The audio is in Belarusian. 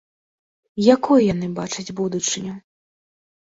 Якой яны бачаць будучыню?